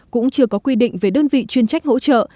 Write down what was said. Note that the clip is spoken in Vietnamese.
cũng chưa có quy định về đơn vị chuyên trách hỗ trợ